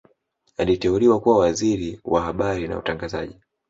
aliteuliwa kuwa Waziri wa habari na utangazaji